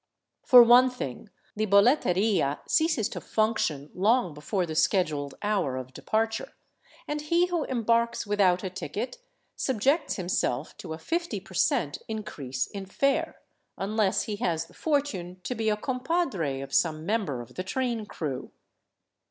For one thing, the holeteria ceases to " function " long before the scheduled hour of departure, and he who embarks without a ticket subjects himself to a fifty percent, in crease in fare — unless he has the fortune to be a compadre of some member of the train crew.